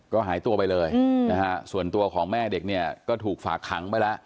ก็หายตัวไปเลยนะฮะส่วนตัวของแม่เด็กเนี่ยก็ถูกฝากขังไปแล้ว